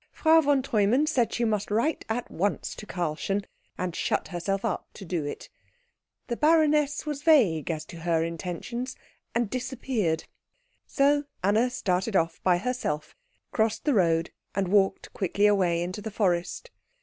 Frau von Treumann said she must write at once to Karlchen, and shut herself up to do it. The baroness was vague as to her intentions, and disappeared. So Anna started off by herself, crossed the road, and walked quickly away into the forest.